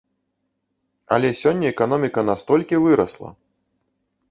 Але сёння эканоміка настолькі вырасла!